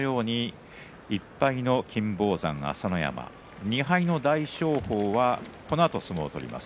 １敗の金峰山、朝乃山２敗の大翔鵬はこのあと相撲を取ります。